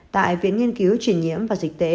tại viện nghiên cứu truyền nhiễm và dịch tễ